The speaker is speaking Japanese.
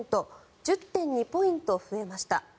１０．２ポイント増えました。